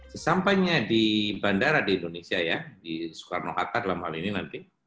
sesampainya di bandara di indonesia ya di soekarno hatta dalam hal ini nanti